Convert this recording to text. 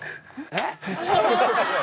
えっ？